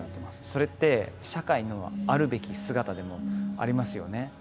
それって社会のあるべき姿でもありますよね？